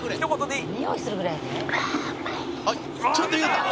「あっちょっと言うた！」